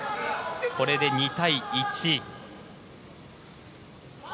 これで２対１。